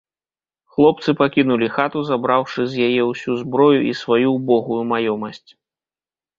Хлопцы пакінулі хату, забраўшы з яе ўсю зброю і сваю ўбогую маёмасць.